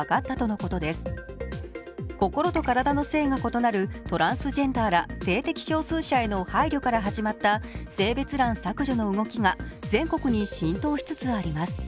心と体の性が異なるトランスジェンダーら性的少数者らの配慮から始まった性別欄削除の動きが全国に浸透しつつあります。